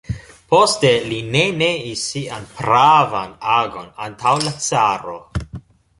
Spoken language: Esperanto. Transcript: Poste li ne neis sian pravan agon antaŭ la caro.